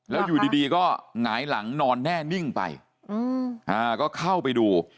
แล้วอยู่ดีก็หงายหลังนอนแน่นิ่งไปก็เข้าไปดู